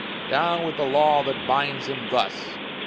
Down with the law that binds him thus!